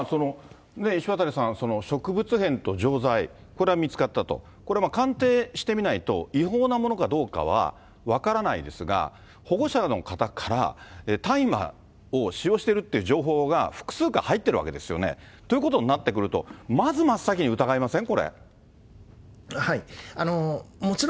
石渡さん、植物片と錠剤、これは見つかったと、これ、鑑定してみないと違法なものかどうかは分からないですが、保護者の方から、大麻を使用しているという情報が複数回入ってるわけですよね。ということになってくると、まず真っ先に疑いません？